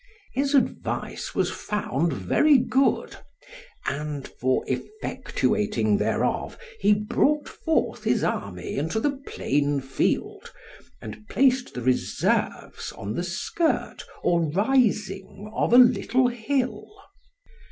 His advice was found very good, and for effectuating thereof he brought forth his army into the plain field, and placed the reserves on the skirt or rising of a little hill.